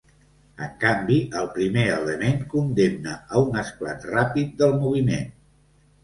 En canvi, el primer element condemna a un esclat ràpid del moviment.